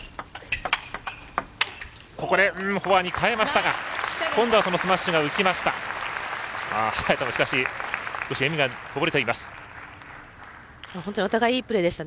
フォアに変えてきましたが今度はスマッシュが浮きました。